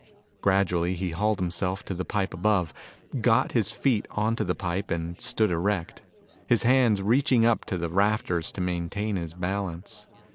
Gradually, he hauled himself to the pipe above, got his feet onto the pipe and stood erect, his hands reaching up to the rafters to maintain his balance.